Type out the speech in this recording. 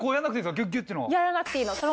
やらなくていいの。